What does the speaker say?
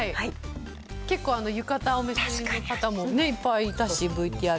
結構、浴衣をお召しの方もいっぱいいたし、ＶＴＲ。